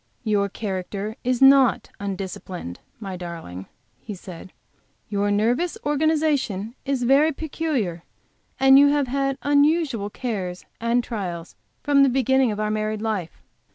"Your character is not undisciplined, my darling," he said. "Your nervous organization is very peculiar, and you have had unusual cares and trials from the beginning of our married life.